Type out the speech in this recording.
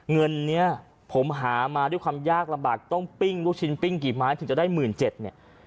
เงินนี้ผมหามาด้วยความยากลำบากต้องปิ้งลูกชิ้นปิ้งกี่ไม้ถึงจะได้๑๗๐๐เนี่ย